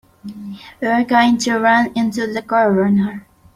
You're going to run into the Governor.